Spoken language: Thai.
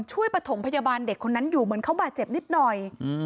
ประถมพยาบาลเด็กคนนั้นอยู่เหมือนเขาบาดเจ็บนิดหน่อย